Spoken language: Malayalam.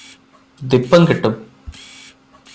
ദിപ്പം കിട്ടും